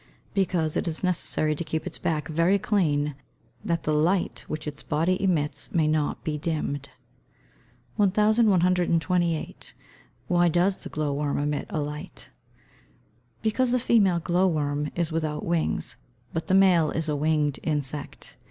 _ Because it is necessary to keep its back very clean, that the light which its body emits may not be dimmed. 1128. Why does the glow worm emit a light? Because the female glow worm is without wings, but the male is a winged insect.